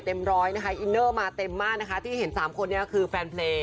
ร้อยนะคะอินเนอร์มาเต็มมากนะคะที่เห็นสามคนนี้ก็คือแฟนเพลง